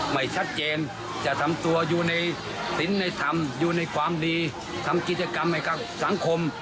ไม่ชัดเจนจะทำตัวอยู่ในศิลป์ในธรรมอยู่ในความดีทำกิจกรรมให้กับสังคม